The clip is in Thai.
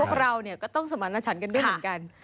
เราก็ต้องสมารณชันกันด้วยเหมือนกัน